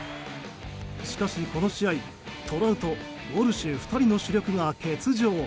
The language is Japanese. しかし、この試合トラウト、ウォルシュ２人の主力が欠場。